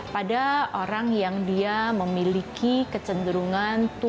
pada orang yang dia memiliki kecenderungan